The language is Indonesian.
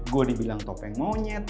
gue dibilang topeng monyet